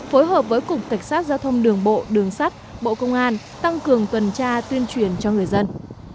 phối hợp với cục cảnh sát giao thông đường bộ đường sắt bộ công an tăng cường tuần tra tuyên truyền cho người dân